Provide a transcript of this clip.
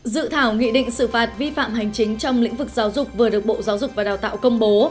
dự thảo nghị định xử phạt vi phạm hành chính trong lĩnh vực giáo dục vừa được bộ giáo dục và đào tạo công bố